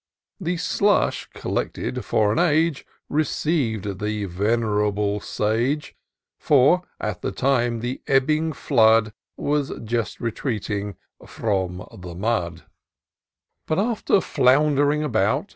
The slush, collected for an age, Receiv'd the venerable Sage ; For, at the time, the ebbing flood Was just retreating from the mud : But, after floundering about.